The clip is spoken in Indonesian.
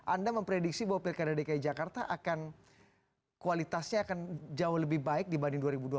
anda memprediksi bahwa pilkada dki jakarta akan kualitasnya akan jauh lebih baik dibanding dua ribu dua puluh